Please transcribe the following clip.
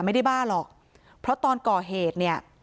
ไม่ได้บ้าหรอกเพราะตอนเกาะเหตุ